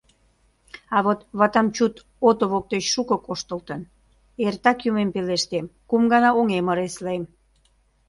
А вот батаммчуд ото воктеч шуко коштылтын — эртак юмем пелештем, кум гана оҥем ыреслем.